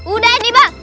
udah nih bang